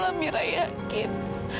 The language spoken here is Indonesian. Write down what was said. padahal mira yakin